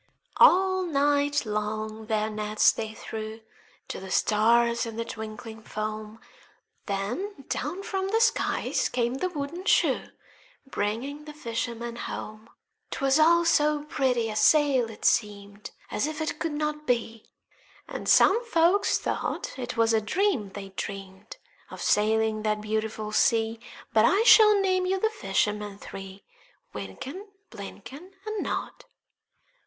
All night long their nets they threw To the stars in the twinkling foam,— Then down from the skies came the wooden shoe, Bringing the fishermen home: 'Twas all so pretty a sail, it seemed As if it could not be; And some folk thought 'twas a dream they'd dreamed Of sailing that beautiful sea; But I shall name you the fishermen three: Wynken, Blynken, And Nod.